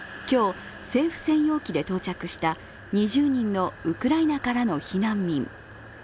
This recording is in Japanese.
今日、政府専用機で到着した２０人のウクライナからの避難民。